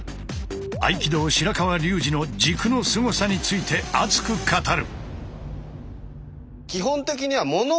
合気道白川竜次の軸のすごさについて熱く語る！